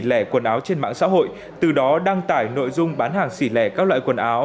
lẻ quần áo trên mạng xã hội từ đó đăng tải nội dung bán hàng sỉ lẻ các loại quần áo